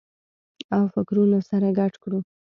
او فکرونه سره ګډ کړو